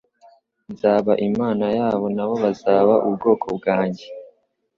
nzaba Imana yabo nabo bazaba ubwoko bwanjye